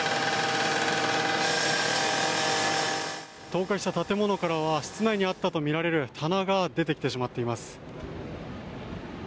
倒壊した建物からは室内にあったとみられる棚が出てきてしまっています。